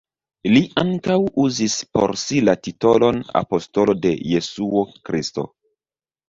Li ankaŭ uzis por si la titolon apostolo de Jesuo Kristo.